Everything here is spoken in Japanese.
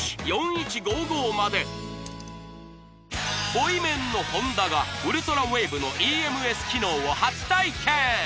ボイメンの本田がウルトラウェーブのＥＭＳ機能を初体験！